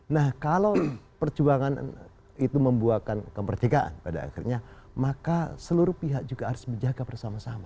nah kalau perjuangan itu membuahkan kemerdekaan pada akhirnya maka seluruh pihak juga harus menjaga bersama sama